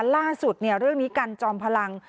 ล่าสุดเรื่องนี้กันจอมพลัง